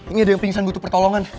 ini ada yang pingsan butuh pertolongan